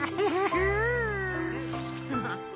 フフフッ。